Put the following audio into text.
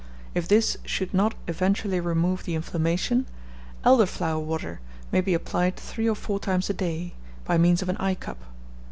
If this should not eventually remove the inflammation, elder flower water may be applied three or four times a day, by means of an eye cup.